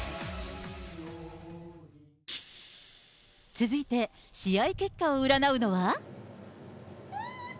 続いて、試合結果を占うのは。